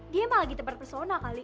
dia emang lagi tebar pesona kali